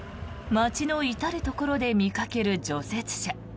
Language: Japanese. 町の至るところで見かける除雪車。